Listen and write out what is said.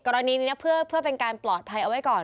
กรณีนี้เพื่อเป็นการปลอดภัยเอาไว้ก่อน